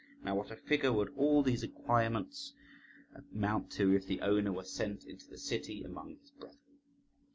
Now what a figure would all these acquirements amount to if the owner were sent into the City among his brethren!